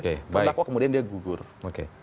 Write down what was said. pendakwa kemudian dia gugur oke